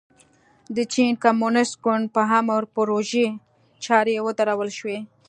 د چین کمونېست ګوند په امر پروژې چارې ودرول شوې.